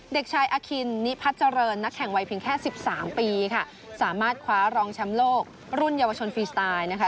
เด็กชายอคินนิพัฒน์เจริญนักแข่งวัยเพียงแค่สิบสามปีค่ะสามารถคว้ารองแชมป์โลกรุ่นเยาวชนฟรีสไตล์นะคะ